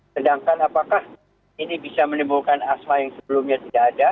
sedangkan apakah ini bisa menimbulkan asma yang sebelumnya tidak ada